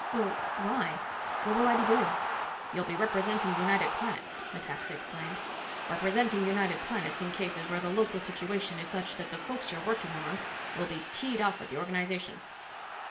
"Well, why? What will I be doing?" "You'll be representing United Planets," Metaxa explained. "Representing United Planets in cases where the local situation is such that the folks you're working among will be teed off at the organization."